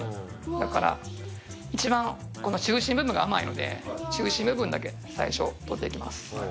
だから一番この中心部分が甘いので中心部分だけ最初取っていきます。